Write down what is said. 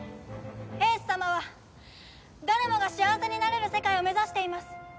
英寿様は誰もが幸せになれる世界を目指しています。